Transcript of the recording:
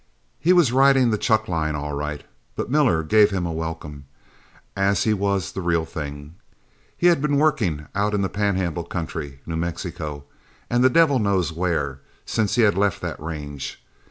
He was riding the chuckline all right, but Miller gave him a welcome, as he was the real thing. He had been working out in the Pan handle country, New Mexico, and the devil knows where, since he had left that range.